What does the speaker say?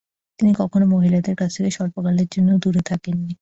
তিনি কখনও মহিলাদের কাছ থেকে স্বল্পকালের জন্যও দূরে থাকেননি।